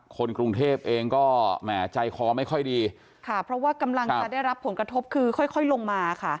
คนกรุงเทพเองก็แหมใจคอไม่ค่อยดีค่ะเพราะว่ากำลังจะได้รับผลกระทบคือค่อยค่อยลงมาค่ะ